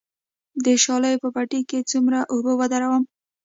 د شالیو په پټي کې څومره اوبه ودروم؟